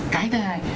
cái thứ hai